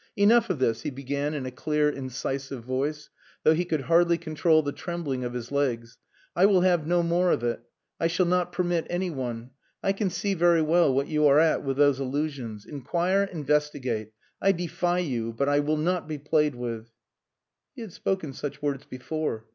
"Enough of this," he began in a clear, incisive voice, though he could hardly control the trembling of his legs. "I will have no more of it. I shall not permit anyone.... I can see very well what you are at with those allusions.... Inquire, investigate! I defy you, but I will not be played with." He had spoken such words before.